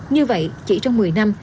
như vậy chỉ trong một mươi năm